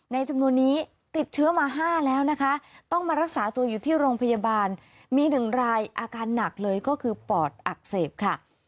จำนวนนี้ติดเชื้อมา๕แล้วนะคะต้องมารักษาตัวอยู่ที่โรงพยาบาลมี๑รายอาการหนักเลยก็คือปอดอักเสบค่ะ